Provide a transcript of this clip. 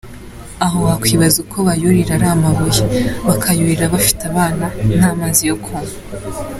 Aha wakwibaza uko bayurira ari amabuye, bakayurira bafite abana, nta mazi yo kunywa.